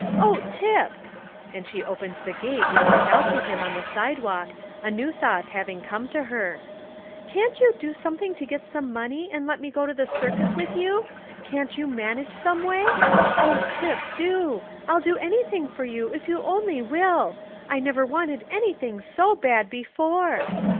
Oh, Tip'" and she opened the gate and went out to him on the sidewalk, a new thought having come to her, "can't you do something to get some money, and let me go to the circus with you? Can't you manage some way? Oh, Tip, do! I'll do anything for you, if you only will. I never wanted anything so bad before."